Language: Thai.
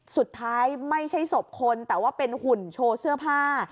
อ๋อสุดท้ายไม่ใช่ศพคนแต่ว่าเป็นหุ่นโชว์เสื้อผ้า